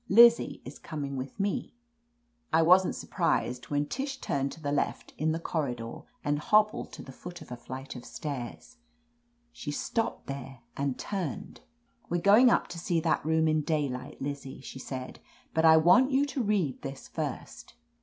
Lizzie is coming with me." I wasn't surprised when Tish turned to the left, in the corridor, and hobbled to the foot of a flight of stairs. She stopped there and turned. "We're going up to see that room in day light, Lizzie," she said, "but I want you to read this first.